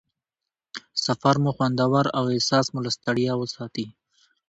سفر مو خوندور او احساس مو له ستړیا وساتي.